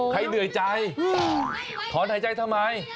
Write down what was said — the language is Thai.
เหนื่อยใจถอนหายใจทำไม